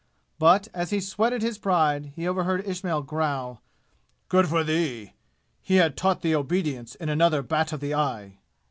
But as he sweated his pride he overheard Ismail growl: "Good for thee! He had taught thee obedience in another bat of the eye!"